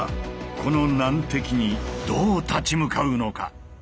この難敵にどう立ち向かうのか。